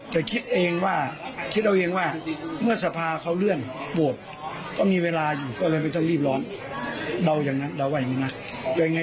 แต่วันนี้ก็ลำบากใจทุกทางลำบากใจทุกทางวันนี้